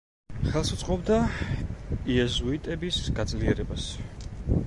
ხელს უწყობდა იეზუიტების გაძლიერებას.